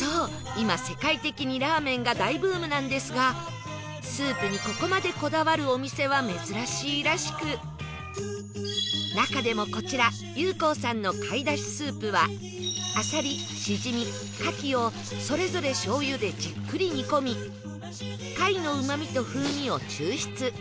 今世界的にラーメンが大ブームなんですがスープにここまでこだわるお店は珍しいらしく中でもこちら優光さんの貝出汁スープはアサリシジミ牡蠣をそれぞれ醤油でじっくり煮込み貝のうまみと風味を抽出